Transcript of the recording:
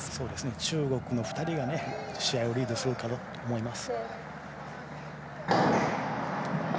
中国の２人が試合をリードするかなと思います。